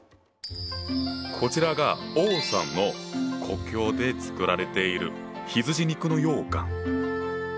こちらが王さんの故郷で作られている羊肉の羊羹。